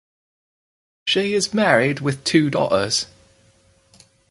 She is married with two daughters.